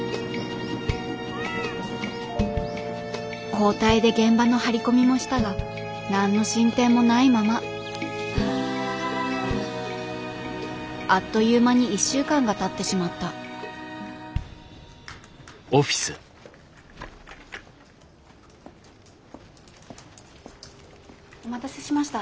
交代で現場の張り込みもしたが何の進展もないままあっという間に１週間がたってしまったお待たせしました。